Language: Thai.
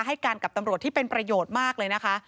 ให้การกับตำรวจที่เป็นประโยชน์มากเลยนะคะ